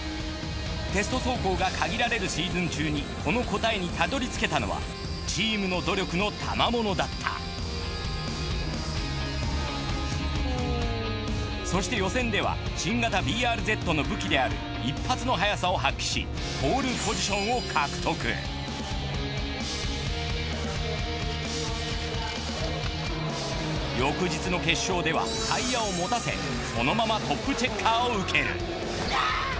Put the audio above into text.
テスト走行が限られるシーズン中にこの答えにたどりつけたのはチームの努力の賜物だったそして予選では新型ＢＲＺの武器である一発の速さを発揮しポールポジションを獲得翌日の決勝ではタイヤを持たせそのままトップチェッカーを受ける。